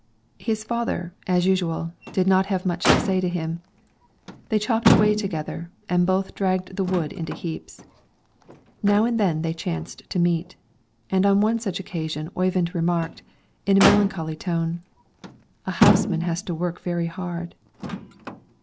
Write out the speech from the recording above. His father, as usual, did not have much to say to him; they chopped away together and both dragged the wood into heaps. Now and then they chanced to meet, and on one such occasion Oyvind remarked, in a melancholy tone, "A houseman has to work very hard."